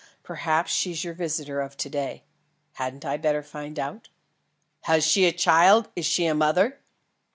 Perhaps she's your visitor of to day. Hadn't I better find out?" "Has she a child? Is she a mother?"